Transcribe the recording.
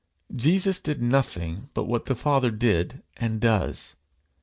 Jesus did nothing but what the Father did and does.